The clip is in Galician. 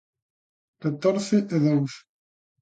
Catorce e dous.